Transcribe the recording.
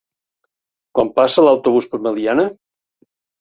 Quan passa l'autobús per Meliana?